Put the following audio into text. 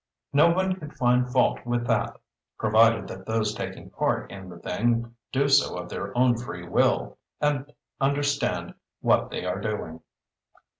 No one could find fault with that, provided that those taking part in the thing do so of their own free will and understand what they are doing.